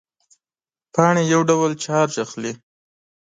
پاڼې یو ډول چارج اخلي.